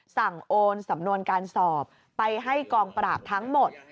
โอนสำนวนการสอบไปให้กองปราบทั้งหมด